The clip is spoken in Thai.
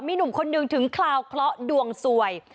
มีหนุ่มคนหนึ่งถึงคราวเคราะห์ดวงสวย